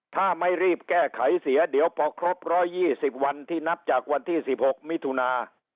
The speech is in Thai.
ถ้าไม่รีบแก้ไขเสียเดี๋ยวพอครบ๑๒๐วันที่นับจากวันที่๑๖มิถุนา